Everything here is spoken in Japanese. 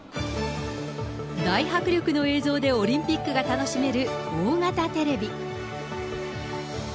大迫力の映像でオリンピックが楽しめる大型テレビ。